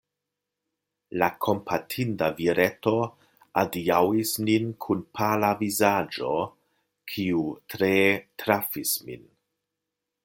La kompatinda vireto adiaŭis nin kun pala vizaĝo, kiu tre trafis min.